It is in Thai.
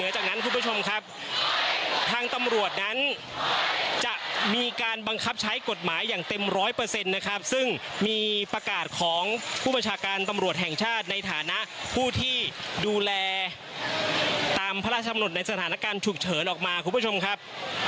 จากนั้นคุณผู้ชมครับทางตำรวจนั้นจะมีการบังคับใช้กฎหมายอย่างเต็มร้อยเปอร์เซ็นต์นะครับซึ่งมีประกาศของผู้ประชาการตำรวจแห่งชาติในฐานะผู้ที่ดูแลตามพระราชกำหนดในสถานการณ์ฉุกเฉินออกมาคุณผู้ชมครับ